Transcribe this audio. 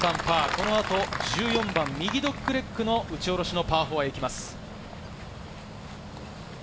この後１４番右ドッグレッグの打ち下ろしのパー４へ行きます。